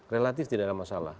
relatif tidak ada masalah